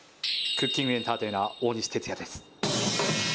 クッキングエンターテイナー、大西哲也です。